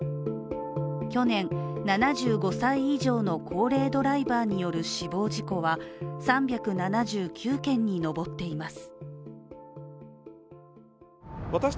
去年、７５歳以上の高齢ドライバーによる死亡事故は３７９件に上っています。